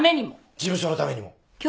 事務所のためにも。